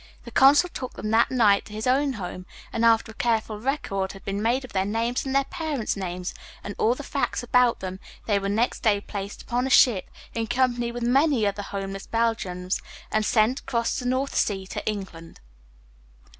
The Consul took them that night to his own home, and, after a careful record had been made of their names and their parents' names and all the facts about them, they were next day placed upon a ship, in company with many other homeless Belgians, and sent across the North Sea to England.